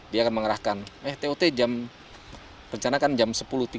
dia akan mengerahkan eh tot jam rencana kan jam sepuluh tiga puluh